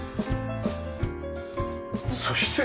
そして。